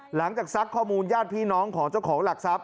ซักข้อมูลญาติพี่น้องของเจ้าของหลักทรัพย